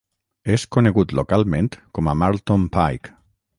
És conegut localment com a Marlton Pike.